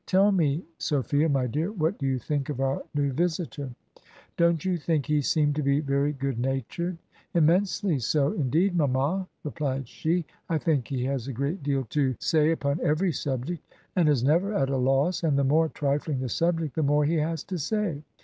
... 'Tell me, Sophia, my dear, what do you think of our new visitor? Don't you think he seemed to be very good natured?' 'Immensely so, indeied, mamma,' replied she. 'I think he has a great deal to sfeiy upon every subject, and is never at a loss; and the more trifling the subject the more he has to say.'